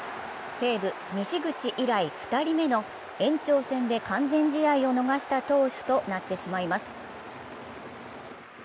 西武、西口以来２人目の延長戦で完全試合を逃した投手となってしまいます。